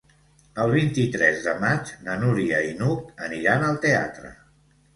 El vint-i-tres de maig na Núria i n'Hug aniran al teatre.